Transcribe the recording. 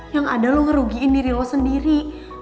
yang ada lo ngerugiin diri lo sendiri